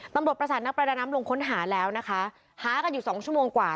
ตำรวจประสานนักประดาน้ำลงค้นหาแล้วนะคะหากันอยู่สองชั่วโมงกว่า